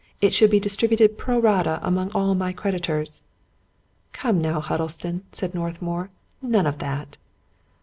It should be distributed pro rata among all my creditors." " Come now, Huddlestone," said Northmour, " none of that."